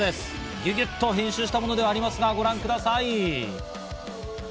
ギュギュっと編集したものではありますが、ご覧ください。